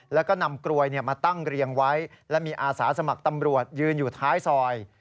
แล้วก็นำกลวยมาตั้งเรียงไว้และมีอาสาสมัครตำรวจยืนอยู่ท้ายซอย